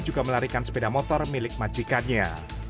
juga melarikan sepeda motor milik majikannya